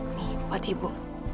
ini buat ibu